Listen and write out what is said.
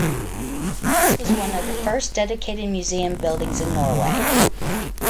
This was one of the first dedicated museum buildings in Norway.